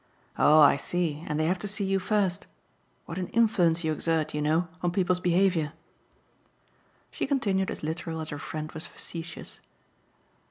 "Oh I see and they have to see you first. What an influence you exert, you know, on people's behaviour!" She continued as literal as her friend was facetious.